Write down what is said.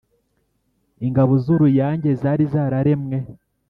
Ingabo z'Uruyange zari zararemwe